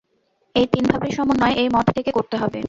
এই তিন ভাবের সমন্বয় এই মঠ থেকে করতে হবে।